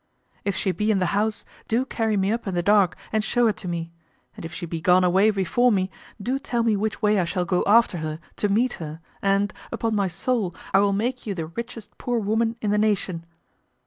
If she be in the house, do carry me up in the dark and show her to me; and if she be gone away before me, do tell me which way I shall go after her to meet her, and, upon my shoul, I will make you the richest poor woman in the nation."